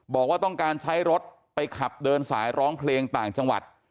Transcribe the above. บอกว่าต้องการใช้รถไปขับเดินสายร้องเพลงต่างจังหวัด